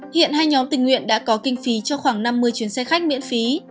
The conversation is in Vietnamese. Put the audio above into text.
hiện hai nhóm tình nguyện đã có kinh phí cho khoảng năm mươi chuyến xe khách miễn phí